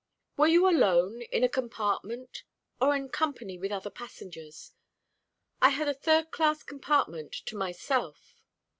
"Were you alone, in a compartment, or in company with other passengers?" "I had a third class compartment to myself."